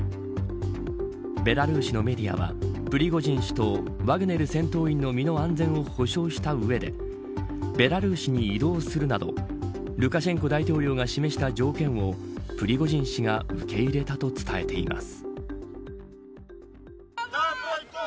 ベラルーシのメディアはプリゴジン氏とワグネル戦闘員の身の安全を保障した上でベラルーシに移動するなどルカシェンコ大統領が示した条件をプリゴジン氏が受け入れたと伝えています。